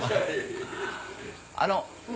あの。